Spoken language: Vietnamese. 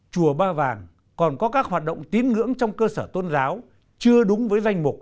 chùa ba vàng còn có các hoạt động tín ngưỡng trong cơ sở tôn giáo chưa đúng với danh mục